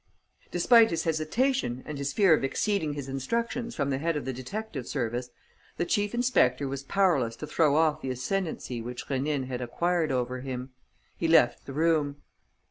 Despite his hesitation and his fear of exceeding his instructions from the head of the detective service, the chief inspector was powerless to throw off the ascendancy which Rénine had acquired over him. He left the room.